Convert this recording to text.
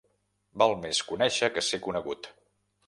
Val més conèixer que ser conegut.